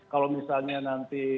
kalau misalnya nanti